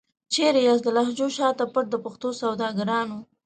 چيري یاست د لهجو تر شا پټ د پښتو سوداګرانو؟